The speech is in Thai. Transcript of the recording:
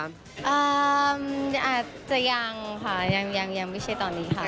อาจจะยังค่ะยังยังไม่ใช่ตอนนี้ค่ะ